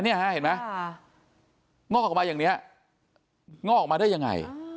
เห็นไหมงอกออกมาอย่างนี้งอกออกมาได้ยังไง